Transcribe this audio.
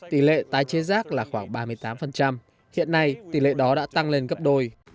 tỷ lệ tái chế rác là khoảng ba mươi tám hiện nay tỷ lệ đó đã tăng lên gấp đôi